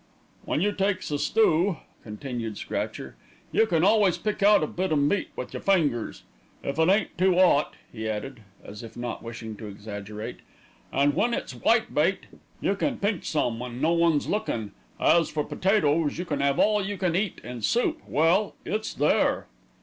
"When you takes a stoo," continued Scratcher, "you can always pick out a bit o' meat with your fingers if it ain't too 'ot," he added, as if not wishing to exaggerate. "An' when it's whitebait, you can pinch some when no one's lookin'. As for potatoes, you can 'ave all you can eat, and soup, well, it's there."